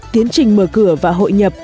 tiến trình mở cửa và hội nhập